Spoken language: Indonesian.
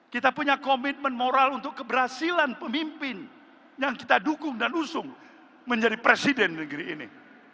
kita punya komitmen moral untuk keberhasilan pemimpin yang kita dukung dan usung menjadi presiden negeri ini